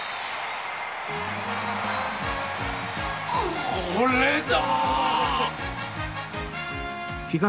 これだ！